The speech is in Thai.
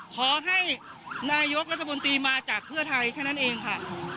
ขอให้นายกรัฐมนตรีมาจากเพื่อไทยแค่นั้นเองค่ะ